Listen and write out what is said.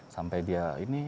sampai dia ini